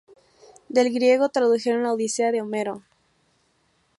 Del griego, tradujeron la Odisea, de Homero.